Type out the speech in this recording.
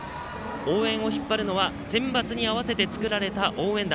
応援を引っ張るのはセンバツに合わせて作られた応援団。